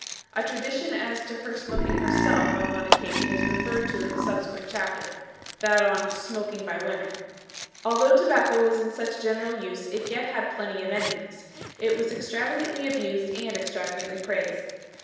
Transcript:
A tradition as to her smoking herself on one occasion is referred to in a subsequent chapter that on "Smoking by Women." Although tobacco was in such general use it yet had plenty of enemies. It was extravagantly abused and extravagantly praised.